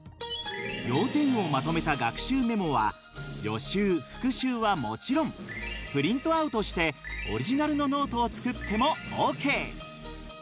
要点をまとめた学習メモは予習復習はもちろんプリントアウトしてオリジナルのノートを作ってもＯＫ！